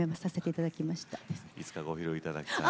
いつかご披露いただきたい。